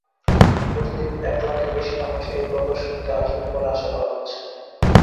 প্রতিদিন এক লাখের বেশি মানুষ এই প্রদর্শনীতে আসবেন বলে আশা করা হচ্ছে।